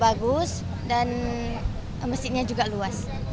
bagus dan masjidnya juga luas